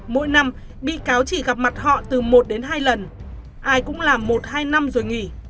mỗi năm bị cáo chỉ gặp mặt họ từ một đến hai lần ai cũng làm một hai năm rồi nghỉ